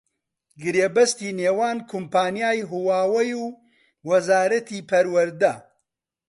گرێبەستی نێوان کۆمپانیای هواوی و وەزارەتی پەروەردە